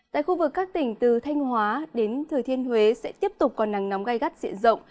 tại khu vực các tỉnh từ thanh hóa đến thừa thiên huế sẽ tiếp tục có nắng nóng gai gắt diện rộng